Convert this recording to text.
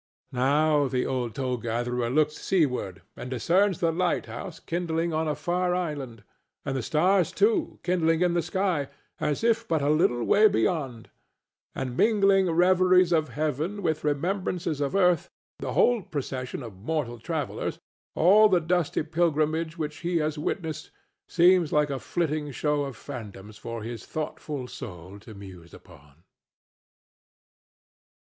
—Now the old toll gatherer looks seaward and discerns the lighthouse kindling on a far island, and the stars, too, kindling in the sky, as if but a little way beyond; and, mingling reveries of heaven with remembrances of earth, the whole procession of mortal travellers, all the dusty pilgrimage which he has witnessed, seems like a flitting show of phantoms for his thoughtful soul to muse upon.